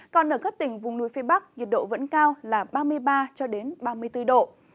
còn ở các tỉnh vùng núi phía bắc nhiệt độ vẫn cao là ba mươi ba ba mươi bốn độ